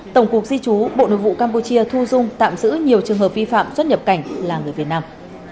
tổng cục di chú bộ nội vụ campuchia thu dung tạm giữ nhiều trường hợp vi phạm xuất nhập cảnh là người việt nam